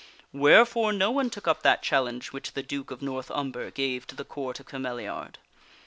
Wherefore, no one took up that challenge which the Duke of North Umber gave to the Court of Cameliard.